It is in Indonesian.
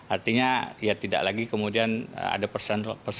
artinya ya tidak lagi kemudian ada persenta